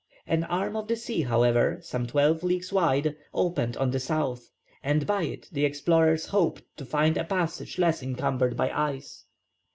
An arm of the sea, however, some twelve leagues wide, opened on the south, and by it the explorers hoped to find a passage less encumbered with ice.